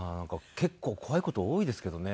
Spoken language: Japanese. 結構怖い事多いですけどね。